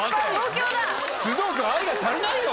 須藤君愛が足りないよ。